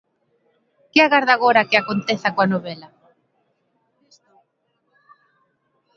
Que agarda agora que aconteza coa novela?